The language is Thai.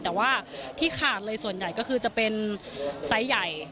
แต่ว่าที่ขาดเลยส่วนใหญ่ก็คือจะเป็นไซส์ใหญ่